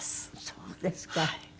そうですか。